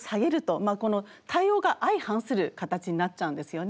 まあこの対応が相反する形になっちゃうんですよね。